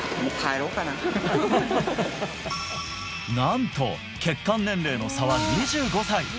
なんと血管年齢の差は２５歳！